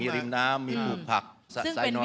ที่จะเป็นความสุขของชาวบ้าน